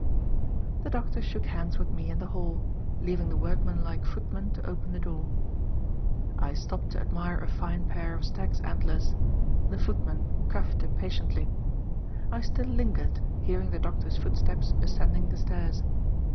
The doctor shook hands with me in the hall, leaving the workman like footman to open the door. I stopped to admire a fine pair of stag's antlers. The footman coughed impatiently. I still lingered, hearing the doctor's footsteps ascending the stairs.